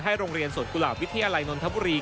โรงเรียนสวนกุหลาบวิทยาลัยนนทบุรี